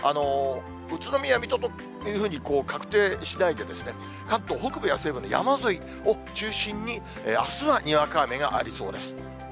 宇都宮、水戸というふうに確定しないで、関東北部や西部の山沿いを中心にあすはにわか雨がありそうです。